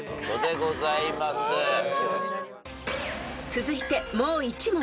［続いてもう１問］